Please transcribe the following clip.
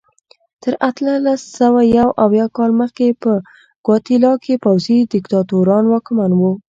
تر اتلس سوه یو اویا کال مخکې په ګواتیلا کې پوځي دیکتاتوران واکمن وو.